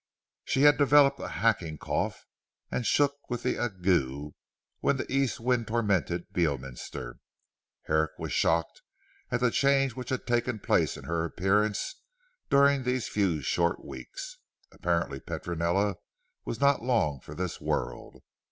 She had developed a hacking cough, and shook with ague when the east wind tormented Beorminster. Herrick was shocked at the change which had taken place in her appearance during these few short weeks. Apparently Petronella was not long for this world.